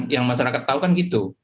yang masyarakat tahu kan gitu